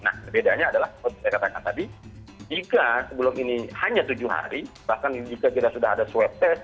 nah perbedaannya adalah seperti saya katakan tadi jika sebelum ini hanya tujuh hari bahkan jika kita sudah ada swab test